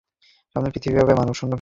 সামনের পৃথিবী হবে মানবশূন্য পৃথিবী।